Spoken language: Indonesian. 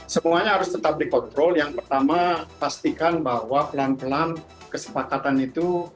semuanya harus tetap dikontrol yang pertama pastikan bahwa pelan pelan kesepakatan itu